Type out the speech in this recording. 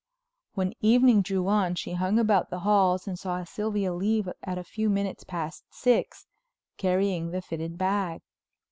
When evening drew on she hung about the halls and saw Sylvia leave at a few minutes past six, carrying the fitted bag.